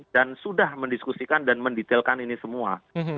dan sudah mendiskusikan dan mendetailkan ini semua